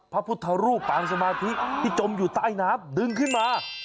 พระพุทธรูปปางสมาธิที่จมอยู่ใต้น้ำดึงขึ้นมา